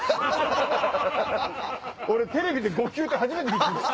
俺テレビで誤球って初めて。